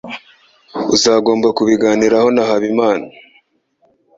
Uzagomba kubiganiraho na Habimana.